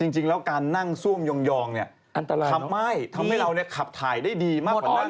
จริงแล้วการนั่งซ่วมยองทำให้เราขับถ่ายได้ดีมากกว่านั่ง